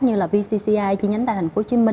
như là vcci chuyên nhánh tại tp hcm